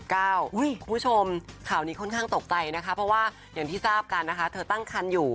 คุณผู้ชมข่าวนี้ค่อนข้างตกใจนะคะเพราะว่าอย่างที่ทราบกันนะคะเธอตั้งคันอยู่